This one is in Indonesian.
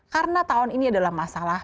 karena tahun ini adalah masalah